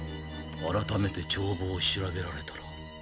あらためて帳簿を調べられたら。